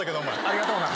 ありがとうな。